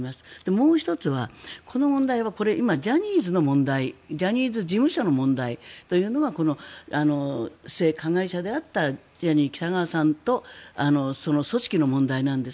もう１つはこの問題はジャニーズ事務所の問題というのが性加害者であったジャニー喜多川さんと組織の問題なんです。